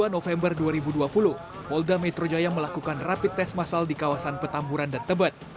dua puluh november dua ribu dua puluh polda metro jaya melakukan rapid test masal di kawasan petamburan dan tebet